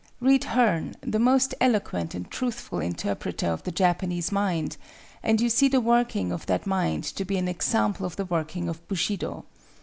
Read Hearn, the most eloquent and truthful interpreter of the Japanese mind, and you see the working of that mind to be an example of the working of Bushido.